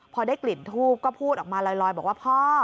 พอได้กลิ่นทูบก็พูดออกมาลอยบอกว่าพ่อ